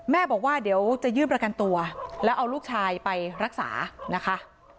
บอกว่าเดี๋ยวจะยื่นประกันตัวแล้วเอาลูกชายไปรักษานะคะ